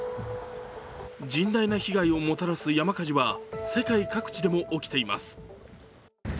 甚大な被害をもたらす山火事は世界各地でも起きています。